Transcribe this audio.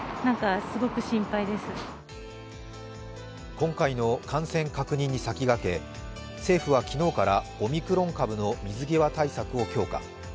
今回の感染確認に先駆け政府は昨日からオミクロン株の水際対策を強化。